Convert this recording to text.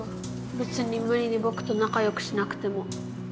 べつに無理にぼくと仲よくしなくても。